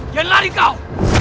yang lari kau